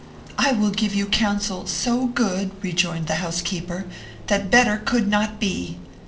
"I will give you counsel so good," rejoined the housekeeper, "that better could not be.